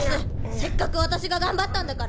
せっかく私が頑張ったんだから。